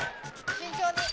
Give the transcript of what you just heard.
慎重に。